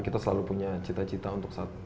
kita selalu punya cita cita untuk satu